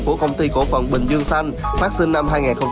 của công ty cổ phần bình dương xanh phát sinh năm hai nghìn một mươi ba